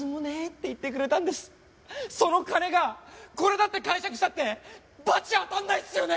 その金がこれだって解釈したって罰当たんないっすよね！